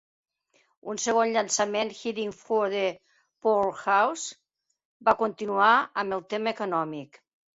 Un segon llançament, "Heading for the Poorhouse", va continuar amb el tema econòmic.